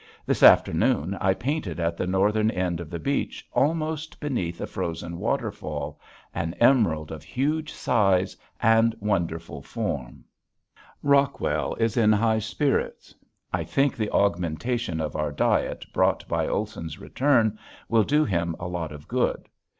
This afternoon I painted at the northern end of the beach almost beneath a frozen waterfall, an emerald of huge size and wonderful form. [Illustration: PELAGIC REVERIE] Rockwell is in high spirits. I think the augmentation of our diet brought by Olson's return will do him a lot of good.